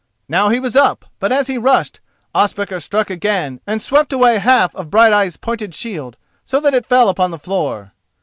Now he was up, but as he rushed, Ospakar struck again and swept away half of Brighteyen's pointed shield so that it fell upon the floor.